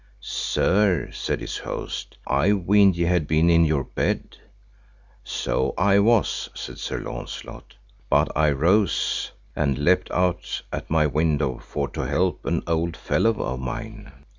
Sir, said his host, I weened ye had been in your bed. So I was, said Sir Launcelot, but I rose and leapt out at my window for to help an old fellow of mine.